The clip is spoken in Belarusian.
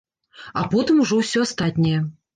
А потым ужо ўсё астатняе.